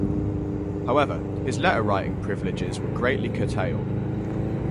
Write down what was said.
However, his letter-writing privileges were greatly curtailed.